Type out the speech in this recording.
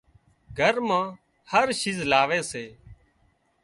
گھر مان هر شيز لاوي سي